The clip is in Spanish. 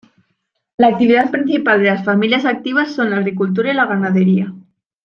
La actividad principal de las familias activas son la agricultura y la ganadería.